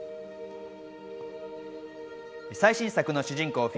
最新作の主人公